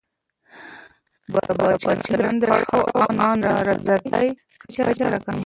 برابر چلند د شخړو او نارضایتۍ کچه راکموي.